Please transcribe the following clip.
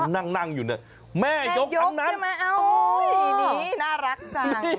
นั่งอยู่เนี่ยแม่ยกอันนั้นโอ้ยนี่น่ารักจัง